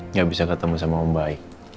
nggak bisa ketemu sama om baik